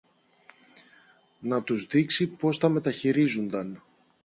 να τους δείξει πώς τα μεταχειρίζουνταν.